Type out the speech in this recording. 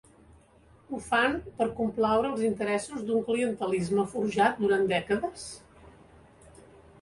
Ho fan per complaure els interessos d’un clientelisme forjat durant dècades?